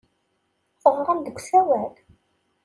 Teɣram-d deg usawal.